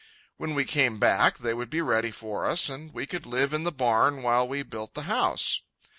When we came back, they would be ready for us, and we could live in the barn while we built the house.